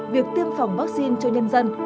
việc tiêm phòng vaccine cho nhân dân